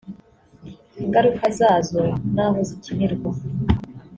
ingaruka zazo n’aho zikinirwa